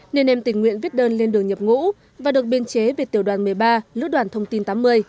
nên em tình nguyện viết đơn lên đường nhập ngũ và được biên chế về tiểu đoàn một mươi ba lữ đoàn thông tin tám mươi